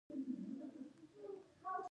آیا کاناډا یو بریالی مثال نه دی؟